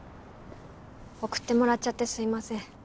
送ってもらっちゃってすいません。